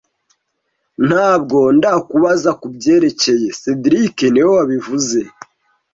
Ntabwo ndakubaza kubyerekeye cedric niwe wabivuze